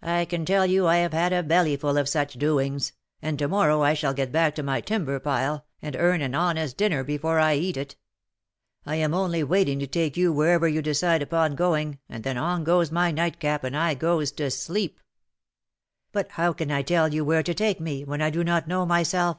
I can tell you I have had a bellyful of such doings, and to morrow I shall get back to my timber pile, and earn an honest dinner before I eat it. I am only waiting to take you wherever you decide upon going, and then on goes my nightcap and I goes to sleep." "But how can I tell you where to take me, when I do not know myself?